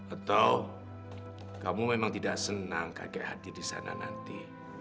atau kamu memang tidak senang kakek hati di sana nanti